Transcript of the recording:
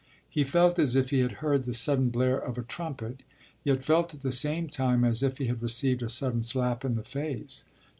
He felt as if he had heard the sudden blare of a trumpet, yet felt at the same time as if he had received a sudden slap in the face.